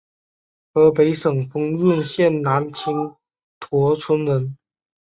河北省丰润县南青坨村人。